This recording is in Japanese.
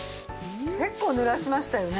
結構ぬらしましたよね？